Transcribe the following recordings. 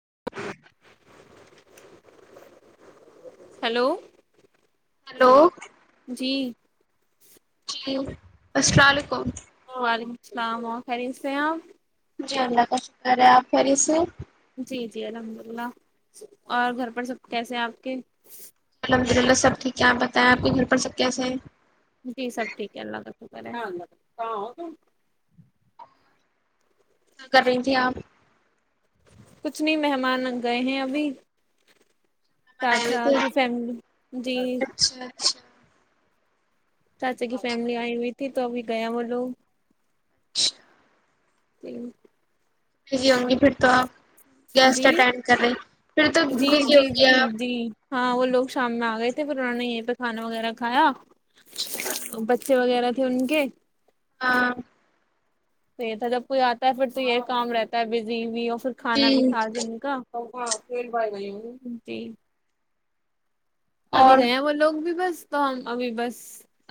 [inaudible] hello ہ hello جی جی السلام علیکم وعلیکم السلام آ خیریم سے ہیں آپ جی اللہ کا شکر ہے آپ خری سے جی جی الحمد للہ اور گھر پر سب کیسے ہیں آپ کے الحمد للہ سب ٹھیک ہے آپ بتائیں آپ کے گھر پر سب کیس ہیں جی سب ٹھیک ہے اللہ کا شکر ہےلہ کیا کر رہی تھی آپ کچھ نہیں مہمان گئے ہیں ابھی مہمان آئے ہوئے چچا تھے کہ فیم جی اچھا اچھا چاچا کی فیملی آئی ہوئی تھی تو ابھی گیا وہ لوگ اچھا جی ہوں گی پھر تو آپ گیسٹ اٹینڈ کر رہے پھر تو جی بزی جی ہوں گی جی آپ جی ہاں بولو سامنے آ گئے تھ تو پراننا ہی ہے پ کھانا وغیرہ کھایا اچھا بچے وغیرہ انن کے ہاں پ تھا جب کوئی آتا ہے پھر تو یہ کام رہتا ہے بزی بھی اور پھر جی کھانا بھی کھا دمی کا ہاں ف بھائی بائی ت ابھی اور گئے وہ لوگ بھی بس تو ہم ابھی بس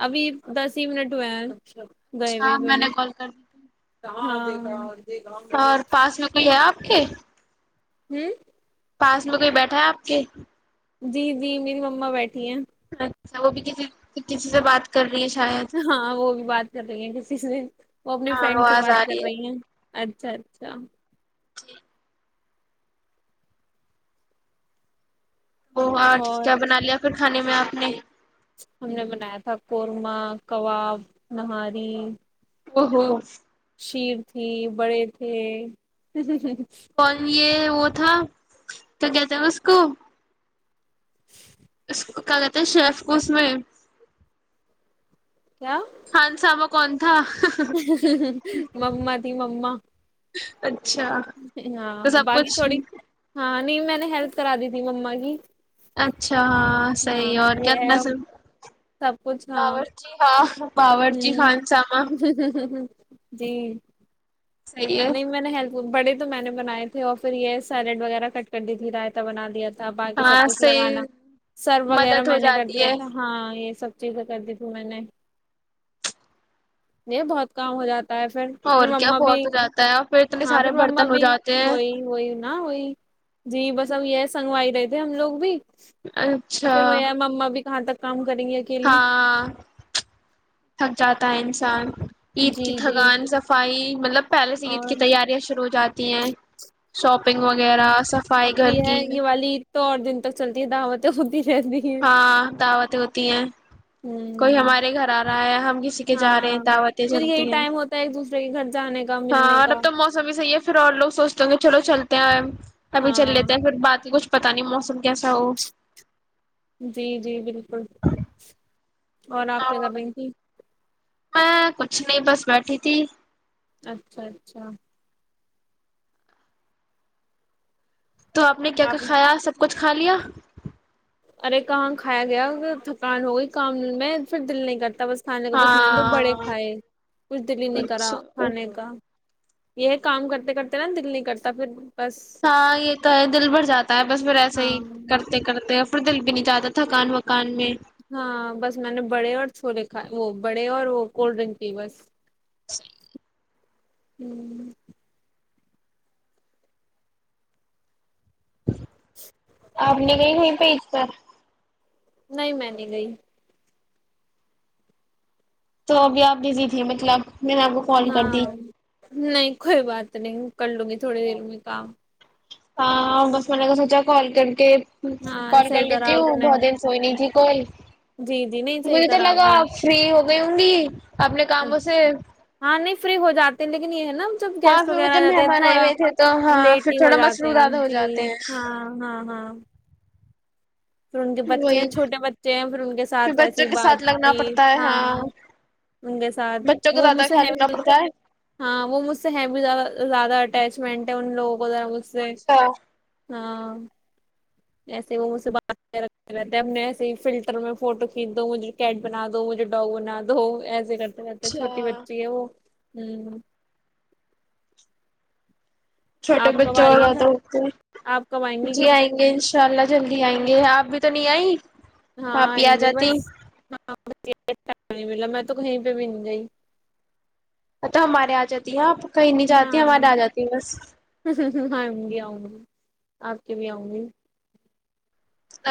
ابھی دس ہی منٹ ہوئے ہیں گئے ہاں ہو بھی میں نے نہیں کال کر دی تھی ہ اور پاس نکے آپ اوکے ہوں پاس میں کویں بیٹھا ہے آپ کے جی جی میری مما بیٹھی ت ہیں ا وہ بھی کسی کسی سے بات کر رہی ہے شاید ہاں وہ بھی بات کر رہی ہیں کسی سے وہ اپنی ہاں فرینڈ سے آواز آ بات کر رہی ہیں اچھا اچھا جی وہ اور کیا بنا لیا کھانے میں آپ نے ہم نے بنایا تھا قورمہ کباب نہاری او ہو شیر تھی بڑے تھے کون یہ وہ تھا تو کہتے اس کو [inaudible] اس کہتے ہیں شیف کو اس میں کیا خان سامہ کون تھا مما ت مما اچھا ہاں تو سب باقی کچھ تھوڑی ہاں نہیں میں نے ہیلپ کرا دی تھی مما کی [unintelligible] اچھا ہاں صحیح ہاں اور یہ ہے کیاتنا اب سب کچھ ہاں باور جی ہوں خان سمہ جی ہے نم ہی بڑے تو میں نے بنائے تھے اور پھر یہ سیلیڈ وغیرہ کٹ کر دی تھی رائتا بنا دیا تھا باقی سب ہاں کچھ صحیح لگانا سرو وغیرہ مدد ہو میں نے کر جاتی دیا ہے تھا ہاں یہ سب چیزیں کر دی تھی میں نے یہ بہت کام ہو جاتا ہے پھر اور کیا مما بھی بہت ہو جاتا ہے اور اتنے ہاں پھر سارے ما برتن ہو بھی جاتے ہیں وہی وہی نا وہی جی بس اب یہ سنگوائی رہے تھے ہم لو بھی اور اچھا پھر میںیا ما بھی کہاں تک کم ہاں تھک جاتا ہے انسان عید جی کی جی تھگان صفائی مطلب پہلے سے عید اور کی تیاریا شرو ہو جاتی ہیں ت ہ اور پھر ہے کی یہ والی عید تو اور دن تک چلتی ہے داوت تو خبی ہاں دعوتیں ہوتی ہیں کوئی ہوں ہمارے گھر آ رہا ہے ہم کسی کے جا رہے ہیں ہاں دعوتیں پھر جلتی یہی ہیں ٹائم ہوتا ہے ایک دوسرے کے گھر جانے کا ہاں ملنے اور کا اب تو موسم ہی صحیح ہے پھر اور لوگ سوچتے ہوں گے چلو چلتے ہیں آئے کبھی چل ہاں لیتے ہیں پھر باقی کچھ پتا نہیں موسم کیسا وہ جی جی بالکل اور آپ کیا کرمیں تھی میں کچھ نہیں بس بیٹھی تھی اچھا اچھا تو آپ نے کیا کیا کھایا سب کچھ خالیا ارے کہاں کھایا گیا تھکان ہو گئی کام میں پھر دل نہیں کرتا بس کھانے کا بس میں نے تو بڑے ہاں کھائے کچھ دل ہی نہیں کرا اچھا کھانے کا یہ کام کرتے کرتے نا دل نہیں کرتا پھر بس ہاں یہ تو ہے دل بھر جاتا ہے بس پھر ایسا ہاں ہی کرتے کرتے پردل بھی نہیں جاتا تھا تھکان وکان میں ہاں بس میں نے بڑے اور چھولے کھائے وہ بڑے اور وہ کولڈ ڈرنک کی بس صی ہوں آپ نے کہئی ہویں پی سر نہیں میں نہیں گئی تو ابھی آپ بزی تھی مطلب میں نے آپ کو کال کر دی ہاں نہیں کوئی بات نہیں کر لوں گی تھوڑی دیر میں کام ہاں بس میں نے کا سوچا کال کر کے ہاں کال صحیح کرلیے کرا ت آپ نے ب دین سوئی نہیں ج کوئی جی جی نہیں صحیح مجھے تو کرا لگا نے آپ فری ہو گئی ہوں گی اپنے کاموں سے [unintelligible] ہاں نہیں فری ہو جات ہیں لیکن یہ [inaudible] نا جب ہاں گیسٹ پھر وہ وغیرہ آ جب جاتے مہمان آئے تھوڑا ہوئے تھے تو ہاں لیٹ پھر ہی ہو تھوڑا جاتے مصروف ہیں زیادہ ہو جی جاتے ہیں ہاں ہاں ہاں پھر ان کے بچے وہی ہیں چھوٹے بچے ہیں پھر ان کے پھر ساتھ بچوں ایسی کے بات ساتھ لگنا چی پڑتا ہے ہاں ان کے ساتھ بچوں کا وہ مجھ زیادہ سے خیال ہے رکھنا بھی پڑتا ہے ہاں وہ مجھ سے ہے بھییا زیادہ اٹیچ مینٹ ہیں ان لوگ [inaudible] بزار ب سے اچھا [inaudible] ہاں [inaudible] ایسے وہ مجھ سے بات رکھتے رہتے ہیں اپنے ایسے ہی فلٹر میں فوٹو کھینچ دو مجھے کیٹ بنا دو مجھے ڈاگ بنا دو ایسے کر [unintelligible] کرتے چھوٹی اچھا بچی ہے وہ ہوں [inaudible] چھوٹے آپ کب بچوں آ اور رہی ہیں گھر زیادہ ہوتے آپ کب گی جی گھر آئیں گے انشاء اللہ جلدی آئیں گے آپ بھی تو نہیں آئی ہاں آپ ہی آئیں آ گے جاتے بس نہیں ملا میں تو کہیں پہ بھی نہیں گئی [inaudible] ا توا ہمارے آ جاتی ہیں آپ [unintelligible] جاتی ہاں ہمارے آ جاتی بس ہاں گیا ہں گ [inaudible] آپ کے بھی آؤں گی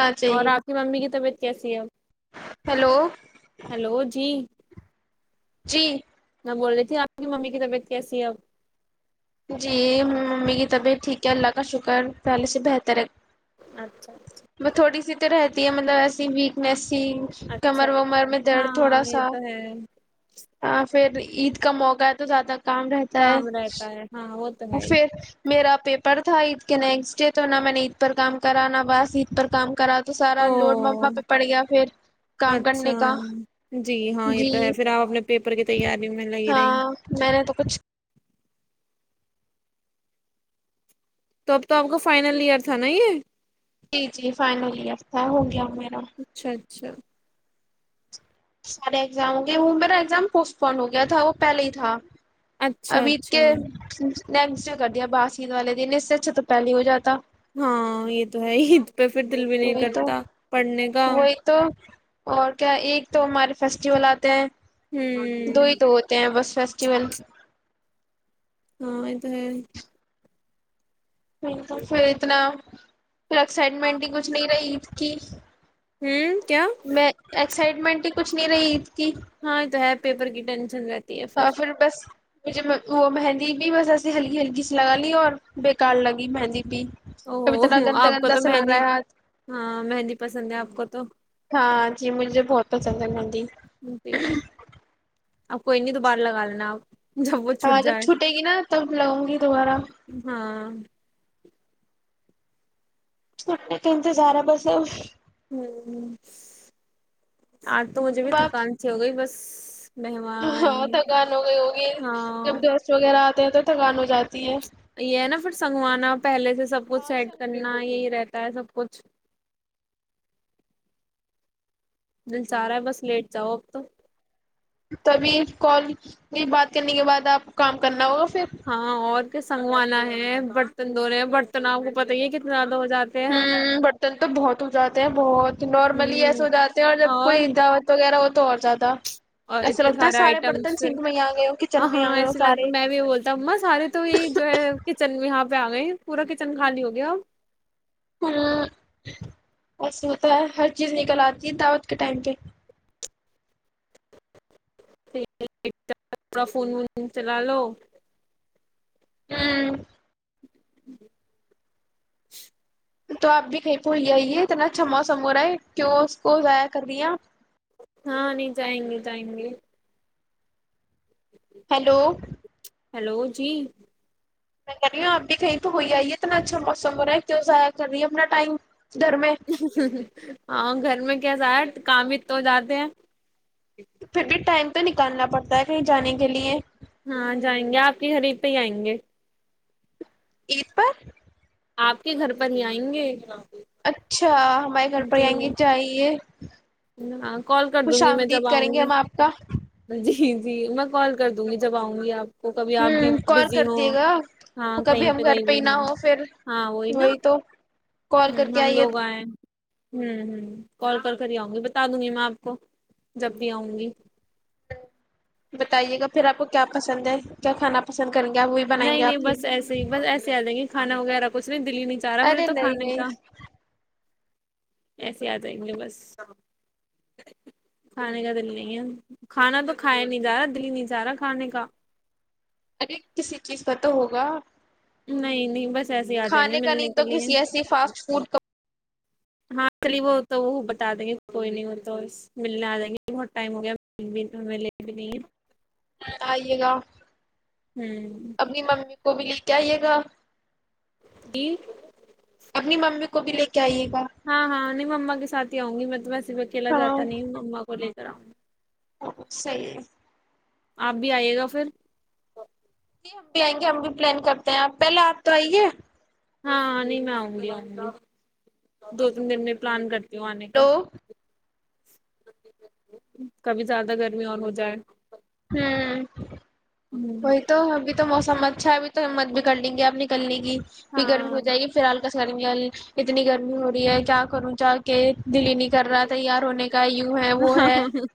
آ اور جائیے آپ گا کی ممی کی طبیعت [unintelligible] کیسی ایم ہیلو [inaudible] ہلو جی جی بول رہی تھی آپ کی ممی کی طبیعت کیسی ہے اب جی ممی کی طبیعت ٹھیک ہے اللہ کا شکر پہلے سے بہتر ہے اچھا اچھا وہ [unintelligible] تھوڑی سی رہتی ہے مطلب ایسی ویکنس ت اچھا کمر ومر میں ہاں درد تھوڑا یہ سا تو ہے ہ پھر عید کا موقع ہے تو زیادہ کام رہتا ہے کام رہتا ہے ہاں تو وہ ہے ہی پھر میرا پیپر تھا عید کے نیکسٹ ڈے تو نہ میں نے عید پر کام کرا نہ بس عید پر کام کرا تو سارا لوڈ مما او پہ پڑ گیا پھر کام اچھا کرنے کا جی ہاں یہ جی تو ہے پھر آپ اپنے پیپر کی تیاری میں لگی رہی ہاں میں نے تو کچھ تو اب تو آپ کا فائنل ایئر تھا نا یہ جی جی فائنل ایئر تھا ہو گیا میرا اچھاچ اچھا سارے ایگزاموں گ وہ میرا ایگزام پوسٹ پون ہو گیا تھا وہ پہلے ہی تھا اچھا ابھیید اچھا کے نیکسٹ جو کر دیا باسید والے دن اس سے اچھا تو پہلے ہو جاتا ہاں یہ تو ہے پہ پھر دل بھی نہیں وہی تو کرتا پڑھنے کا وہی تو اور کیا ایک تو ہمارے فیسٹیول آتے ہیں دو ہی تو ہوتے ہیں بس فیسٹیوول ہاں یہ تو ہے نہیں پھر اتنا پھر ایکسائٹمنٹ ہی کچھ نہیں رہی اسک ہوں کیا ایکسائٹمنٹ ہی کچھ نہیں رہی کی ہاں تو ہےپ پیپر کی ٹینن رہتی ہے اور پھر بس مجھے وہ مہندی بھی بس ایسی ہلکی ہلکی سی لگا لی اور بے کار لگی مہندی او کب اتنا گندا آپ کو گندا تو سا لگ رہا مہندی ہے ہاتھ ہاں مہندی پسند ہے آپ کو تو ہاں جی مجھے بہت پسند ہے نندی جی اب کوئی نہیںنی دوبر لگا لینا آپ جب وہ ہاں چھٹ جب جائے چھٹے گی نا تب لگوں گی دوبارہ ہاں س کہ تو سارا بس ہوں آج تو مجھے بھی تب آپ تھکان سی ہو گئی بس مہمان ہاں تھکان ہو گئی ہوگی جب ہاں گس وغیرہ تو تھگان ہو جاتا یہ ہے نا پھر سنگوانا پہلے سے سب کچھ ہاں سیٹ کرنا یہی رہتا تا ہے سب کچھ دل جا رہا ہے بس لیٹ جاؤ اب تو تبھی کال بات کرنے کے بعد آپ کو کام کرنا ہوگا پھر ہاں اور سنگوانا ہے برتن د رہے برتن آپ کو پت ہی ہے کتنا زیادہ ہو جاتے ہ ہیں برتن تو بہت ہو جاتے ہیں بہت نارملی ایسے ہو ہوں جاتے ہیں اور جب کوئی دعوت وغیرہ ہو تو اور اور زیادہ اور ایسا اتنے لگتا ہے سارے برتن آئٹمس پھر سنک میں ہی آ گئے ہو ہ کچن میں آ ہاں گئے ہو ایے لگ سارے میں بھی یہ بولتا ہوںا سارے تو یہ جو ہے کچن میں یہاں پہ پ آ گئے پورا کچن خالی ہو گیا ہ ایس ہوتا ہے ہر چیز نکل آتی ہے دعوت کے ٹائم پہ تھوڑا فون وون چلا لو [unintelligible] ہوں [unintelligible] جی [unintelligible] تو آپ بھی کہیں پول آئی اتنا اچھا موسم ہو رہا ہے کیوں اس کو ضائع کر دیا [unintelligible] ہاں نہیں جائیں گے جائیں گے [unintelligible] ہیلو [unintelligible] ہلو جی میں کہ کر رہی ہوں آپ بھی کہیں تو ہو ہی آئیے اتنا اچھا موسم ہو رہا ہے کیوں ضائع کر رہی ہے اپنا ٹائم [unintelligible] ہاں گھر میں کیا زا [unintelligible] کام ا تو جاتد ہیں [unintelligible] پھر بھی ٹائم [unintelligible] تو نکالنا پڑتا ہے کہیں جانے کے لیے [unintelligible] ہاں جائیں گے آپ کی گرید پہ ہی آئیں گے [unintelligible] عید پر [unintelligible] آپ کے گھر پر ہی آئیں گے [unintelligible] اچھا [unintelligible] ہمارے گھر پر جی آئیں گے چاہیے [unintelligible] کال کر دوں گی میں جب کریں آؤں گے گی ہم آپ کا جی [unintelligible] جی جی میں کال کر دوں گی جب آؤں گی آپ [unintelligible] کو کبھی آپ بھی ہوں کال بزی کر ہ دیے گا ہاں کہیں کبھی ہم پہ گھر کہیں بھی ہی نہ ہ ہو پھر ہاں وہی نا کال ہ کر کے ہم آئیے لوگ آئے [unintelligible] ہ ہ کال پر کر آؤں [unintelligible] بتا دوں گی میں آپ کو جب بھی آؤں گی [unintelligible] بتائیے گا پھر آپ کو کیا پسند ہے کیا کھانا پسند ہے [unintelligible] نہیں نہیں بس ایسے ہی بس ایسے آ لیں گے کھا وغیرہ کھ [unintelligible] اس دلی نہیں چاہ رہا میرے ارے تو نہیں کھانے کا نہیں [unintelligible] ایسے آ جائیں گے بس کھانے کا دل نہیں ہے کھانا تو کھایا نہیں جا رہا دل ہی نہیں جا رہا کھانے کا [unintelligible] ارے کسی چیز کا تو ہوگا [unintelligible] نہیں نہیں بس ایسے ہی آ جائیں گے کھانے کا ملنے نہیں کے تو لیے کسی ایسی فاسٹ فوڈ کا ہاں چلی وہ تو وہ بتا دیں گے کوئی نہیں وہ تو ملنے آ جیں گے بہت ٹائم ہو گیا ہمیں لے بھی نہیں [unintelligible] آئیے گا [unintelligible] ہوں [unintelligible] کوب کیا آئیے گا جی [unintelligible] اپنی مامی کو [unintelligible] کو بھی لیک [unintelligible] ہاں ہاں انیں مما کے ساتھ [unintelligible] آؤ گی مطلب میں [unintelligible] کلا ہاں جاتا نہیں مما کوول [unintelligible] را [unintelligible] صحی ہے [unintelligible] آپ بھی آئیے گا پھر جی ہم بھی آئیں گے ہم بھی پلان کرتے ہیں آپ پہلے آپ تو آئیے ہاں نہیں میں آؤں گی آؤں گا دو تین دن میں پلان کرتی جو آنے کا ہلو [unintelligible] کبھی زیادہ گرمی اور ہو جائے ہوں وہی تو ابھی تو موسمت اچھا ابھی تو ہم مت بھی کر لیں گےپ نکلنے کی پھر گرمی ہو ہاں جائے گی پھر الال گرم اتنی گرمی ہو رہی ہے کیا کروں چا کے دلی نہیں کر رہا تیار ہونے کا یوں ہے وہ ہاں ہے ہاں ہ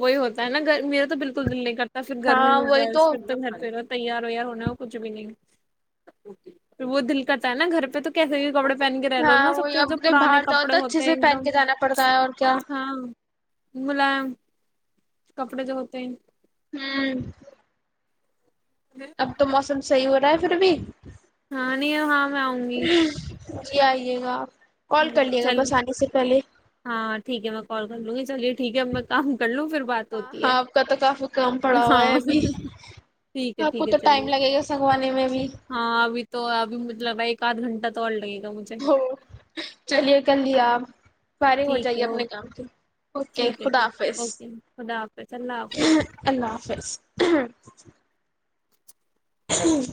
وہی ہوتا ہے نا گ میرے تو بالکل تو جلے ک [unintelligible] ت پھر گرمی ہاں میں وہی بس پھر تو گھر پیرت تیار ویار ہونا ہو کچھ بھی نہیںھر وہ دل کرتا ہے نا گھر پہ تو کیسے کپڑے پہن کے رہ لو نا ہاں سب وہی سے اب جو کہیں پرانے باہر جاؤ کپڑے تو اچھے ہوتے ہیں سے ایک پہن دم کے جانا پڑتا ہے اور کیا ہاں ملام کپڑے جو ہوتے ہیں ہوں [unintelligible] اب تو موسم صحیح ہو رہا ہے پھر بھی ہاں نہیں ہے ہاں میں آؤں گی جے گا آپ [unintelligible] کال کر لیے گا چل بس آنے سے پہلے ہاں ٹھیک ہے میں کال کر لوں گی چلیے ٹھیک ہے میں کام کر لوں پھر بات ہاں ہوتی ہے ہاں آپ کا تو کافی کام پڑا ہوا ہے ہاں ابھی ٹھیک ہے آپ کو ٹھیک ہے تو ٹائم چلیے لگے گا سنگوانے میں بھی ہاں ابھی تو ابھی مطلب ایک آدھ گھٹ تو آال رہے ہو چلیے کر لیا آپ فائرنگ ہو ٹھیک ہے جائیے اوکے اپنے کام کی اوکے ٹھیک ہے خدا ٹھیک حافظ اوکے خدا حافظ اللہ حافظ اللہ حافظ [inaudible] جی